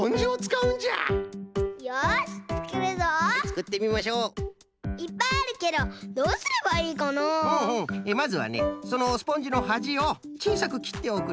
うんうんまずはねそのスポンジのはじをちいさくきっておくれ。